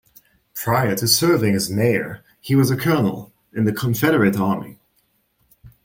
Prior to serving as mayor, he was a colonel in the Confederate Army.